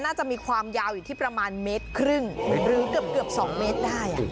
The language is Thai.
น่าจะมีความยาวอยู่ที่ประมาณเมตรครึ่งหรือเกือบ๒เมตรได้